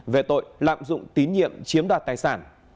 về tội lạm dụng tín nhiệm chiếm đoạt tài sản